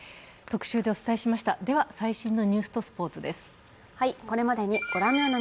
では、最新のニュースとスポーツです。